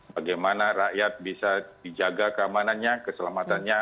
bagaimana rakyat bisa dijaga keamanannya keselamatannya